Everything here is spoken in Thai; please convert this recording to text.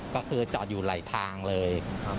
ก็คือจอดอยู่ไหลทางเลย